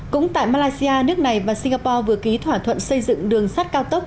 cũng tại malaysia nước này và singapore vừa ký thỏa thuận xây dựng đường sắt cao tốc